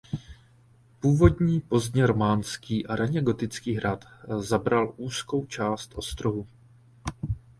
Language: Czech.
Původní pozdně románský a raně gotický hrad zabral úzkou část ostrohu.